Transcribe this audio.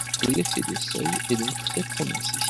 L’effet de seuil est donc très prononcé.